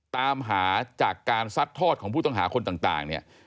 ตามหาจากการซัดทอดของผู้ต้องหาคนต่างเนี่ย